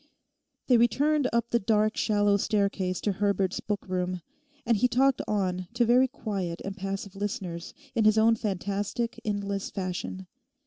They returned up the dark shallow staircase to Herbert's book room, and he talked on to very quiet and passive listeners in his own fantastic endless fashion.